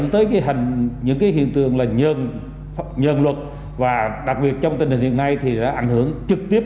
thường là nhân luật và đặc biệt trong tình hình hiện nay thì đã ảnh hưởng trực tiếp